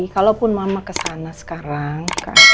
kalaupun mama kesana sekarang